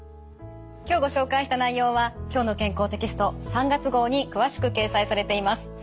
今日ご紹介した内容は「きょうの健康」テキスト３月号に詳しく掲載されています。